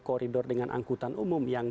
koridor dengan angkutan umum yang